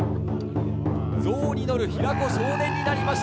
象に乗る平子少年になりました。